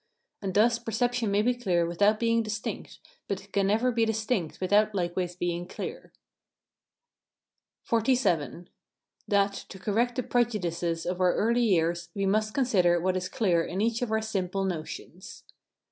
And thus perception may be clear without being distinct, but it can never be distinct without likewise being clear. XLVII. That, to correct the prejudices of our early years, we must consider what is clear in each of our simple [Footnote: "first." FRENCH.] notions.